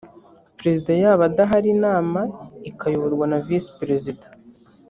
perezida yaba adahari inama ikayoborwa na visi perezida